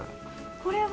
これ。